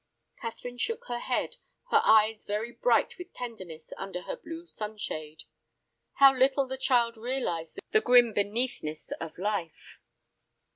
Catherine shook her head, her eyes very bright with tenderness under her blue sunshade. How little the child realized the grim beneathness of life!